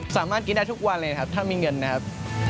สามารถกินได้ทุกวันเลยครับถ้ามีเงินนะครับ